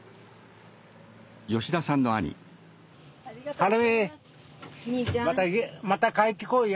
春美また帰ってこいよ。